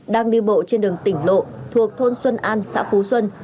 đang đi bộ trên đường tỉnh lộ thuộc thôn xuân an xã phú xuân